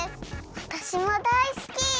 わたしもだいすき。